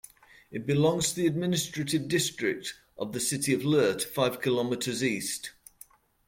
It belongs to the administrative district of the city of Lehrte, five kilometres east.